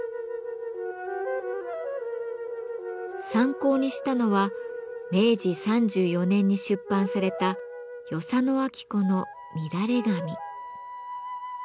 参考にしたのは明治３４年に出版された与謝野晶子の「みだれ髪」。